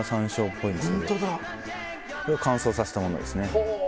これは乾燥させたものですね。